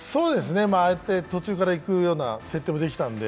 ああやって途中からいくようなできたんで。